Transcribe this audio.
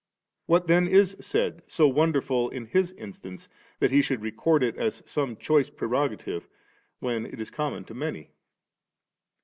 What then is said so wonderful in His instance, that He should record it as some choice preroga tive S when it is common to many?